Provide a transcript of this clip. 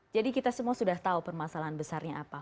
jadi kita semua sudah tahu permasalahan besarnya apa